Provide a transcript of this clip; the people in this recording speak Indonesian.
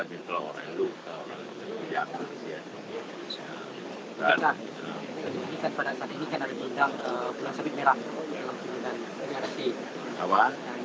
yang di bapak akhiri